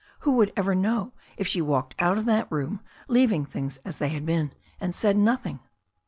Who would ever know if she walked out of that room, leaving things as they had been, and said nothing?